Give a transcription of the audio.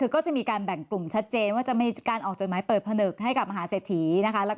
ก็จะมีการแบ่งกลุ่มชัดเจนว่าจะมีการออกจดหมายเปิดผนึกให้กับมหาเศรษฐีนะคะ